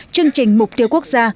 chương trình mục tiêu quốc gia